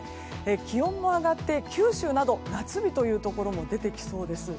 気温も上がって九州など夏日というところも出てきそうです。